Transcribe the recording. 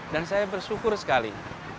dan saya bersyukur sekali